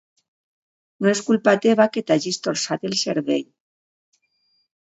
No és culpa teva que t'hagis torçat el cervell.